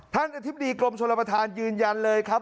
อธิบดีกรมชนประธานยืนยันเลยครับ